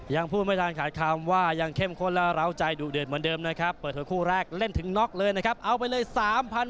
ยังพูดไม่ทันขาดคำว่ายังเข้มข้นและร้าวใจดูเดือดเหมือนเดิมนะครับเปิดหัวคู่แรกเล่นถึงน็อกเลยนะครับเอาไปเลย